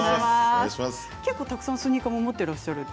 結構たくさんスニーカーを持っていらっしゃると。